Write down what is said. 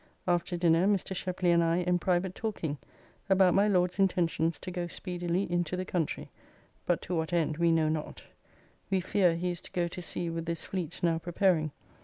After dinner Mr. Shepley and I in private talking about my Lord's intentions to go speedily into the country, but to what end we know not. We fear he is to go to sea with this fleet now preparing.